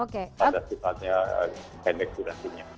pada sifatnya kandeksurasinya